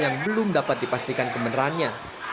yang belum dapat dipastikan kebenarannya